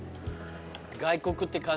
外国って感じ。